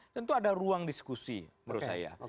tentu ada ruang diskusi menurut saya